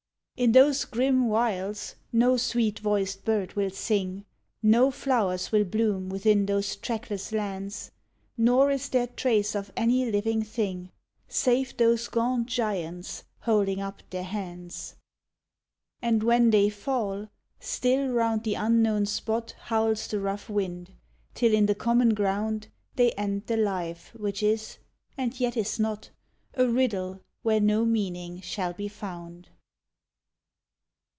In those grim wilds no sweet voiced bird will sing, No flowers will bloom within those trackless lands, Nor is there trace of any living thing, Save those gaunt giants, holding up their hands. And when they fall, still round the unknown spot Howls the rough wind, till in the common ground They end the life which is and yet is not, A riddle where no meaning shall be found.